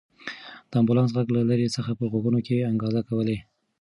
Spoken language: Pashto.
د امبولانس غږ له لرې څخه په غوږونو کې انګازې کولې.